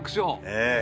ええ。